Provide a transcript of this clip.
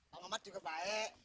bang mamat juga baik